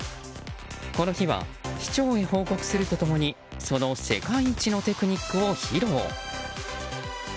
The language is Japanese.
この日は市長へ報告すると共にその世界一のテクニックを披露。